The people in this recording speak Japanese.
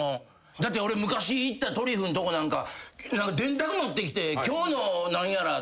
だって俺昔行ったトリュフのとこ電卓持ってきて今日の何やらで。